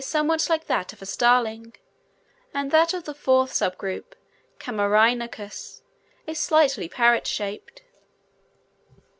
somewhat like that of a starling, and that of the fourth sub group, Camarhynchus, is slightly parrot shaped.